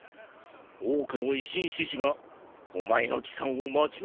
多くの維新志士がお前の帰参を待ち望んでいる。